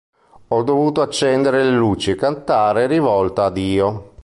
Ho dovuto accendere le luci e cantare rivolta a Dio.